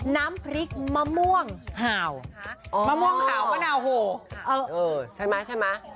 น้ำพริกมะม่วงห่าวมะม่วงห่าวมะนาวโหใช่ไหมใช่ไหม